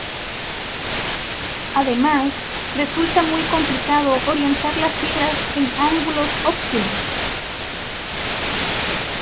Además, resulta muy complicado orientar las fibras en ángulos óptimos.